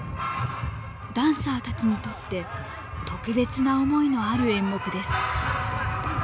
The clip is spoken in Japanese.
ダンサーたちにとって特別な思いのある演目です。